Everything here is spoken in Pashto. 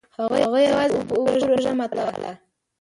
هغه یوازې په اوبو روژه ماتوله.